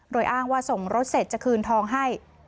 โดยอ้างว่าส่งรถเสร็จจะคืนทองให้